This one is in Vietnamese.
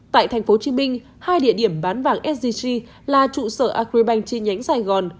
tại tp hcm hai địa điểm bán vàng sgc là trụ sở agribank chi nhánh sài gòn